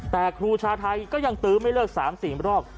แต่ครูชาไทยก็ยังตื้อไม่เลิก๓๔รอบ